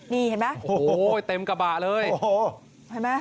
นี่เห็นไหมโอ้โหเต็มกระบะเลยโอ้โหเห็นไหม